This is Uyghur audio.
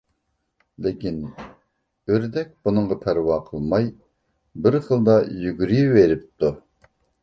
لېكىن، ئۆردەك بۇنىڭغا پەرۋا قىلماي بىر خىلدا يۈگۈرۈۋېرىپتۇ.